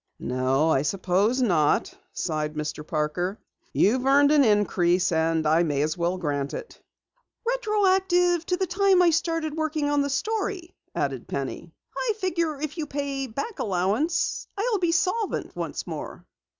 "No, I suppose not," sighed Mr. Parker. "You've earned an increase, and I may as well grant it." "Retroactive to the time I started working on the story," added Penny. "I figure if you pay back allowance, I'll be solvent once more!"